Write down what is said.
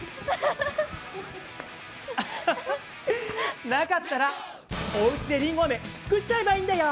アハハッなかったらおうちでりんごアメつくっちゃえばいいんだよ！